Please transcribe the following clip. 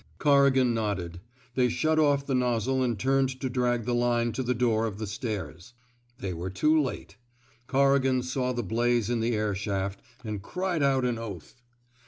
Corrigan nodded. They shut off the nozzle and turned to drag the line to the door of the stairs. They were too late. Corrigan saw the blaze in the air shaft, and cried out an oath.